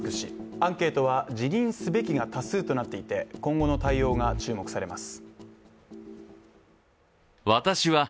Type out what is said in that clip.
アンケートは「辞任すべき」が多数となっていて今後の対応が注目されます。